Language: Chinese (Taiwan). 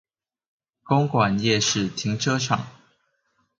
公館夜市停車場